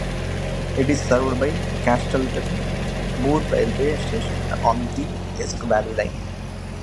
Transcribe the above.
It is served by Castleton Moor railway station on the Esk Valley Line.